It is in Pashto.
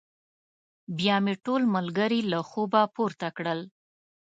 بيا مې ټول ملګري له خوبه پورته کړل.